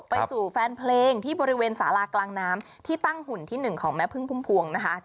ไปสู่แฟนเพลงที่บริเวณสารากลางน้ำที่ตั้งหุ่นที่๑ของแม่พึ่งพุ่มพวงนะคะ